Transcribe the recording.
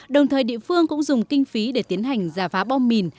đồng thời địa phương cũng dùng kinh phí để tiến hành giả phá bom mìn